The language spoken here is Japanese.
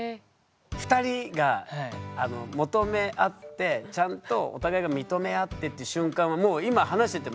２人が求め合ってちゃんとお互いが認め合ってって瞬間をもう今話しててもなんかね感じ取れますよね。